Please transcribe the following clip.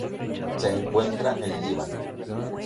Se encuentra en Líbano.